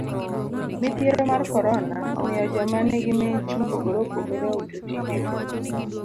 Midhiero mar korona omiyo joma nigi mich mopogore opogore owito tije gi.